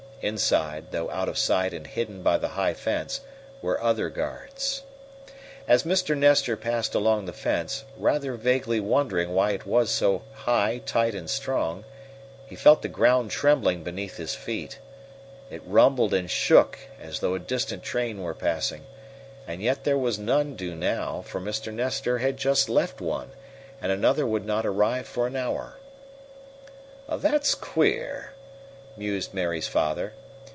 Inside, though out of sight and hidden by the high fence, were other guards. As Mr. Nestor passed along the fence, rather vaguely wondering why it was so high, tight and strong, he felt the ground trembling beneath his feet. It rumbled and shook as though a distant train were passing, and yet there was none due now, for Mr. Nestor had just left one, and another would not arrive for an hour. "That's queer," mused Mary's father.